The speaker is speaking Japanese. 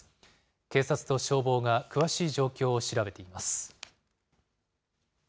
警察と消防が詳しい状況を調べています。